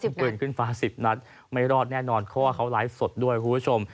ปืนขึ้นฟ้า๑๐นัดไม่รอดแน่นอนเพราะว่าเขาไลฟ์สดด้วยคุณผู้ชม